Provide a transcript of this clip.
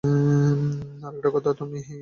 আরেকটা কথা, তুমি কাকে খুন করেছিলে?